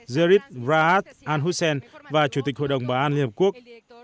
zerif rahat al hussein và chủ tịch hội đồng bảo an liên hợp quốc